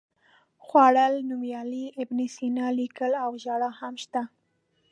خوړل، نومیالی، ابن سینا، لیکل او ژړل هم شته.